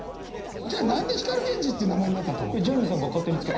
じゃあ何で光ＧＥＮＪＩって名前になったと思う？